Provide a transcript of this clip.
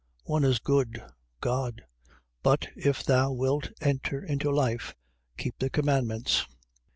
One is good, God. But if thou wilt enter into life, keep the commandments.